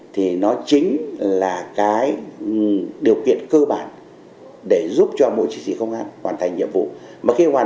thì nó chính là cái điều kiện cơ bản để giúp cho mỗi chiến sĩ công an hoàn thành nhiệm vụ mà khi hoàn